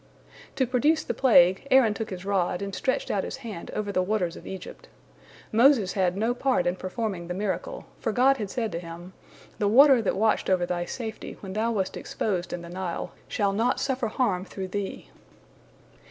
To produce the plague, Aaron took his rod, and stretched out his hand over the waters of Egypt. Moses had no part in performing the miracle, for God had said to him, "The water that watched over thy safety when thou wast exposed in the Nile, shall not suffer harm through thee."